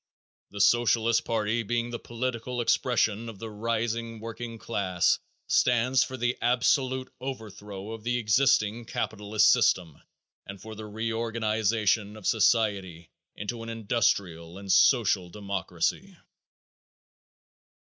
The Socialist party being the political expression of the rising working class stands for the absolute overthrow of the existing capitalist system and for the reorganization of society into an industrial and social democracy.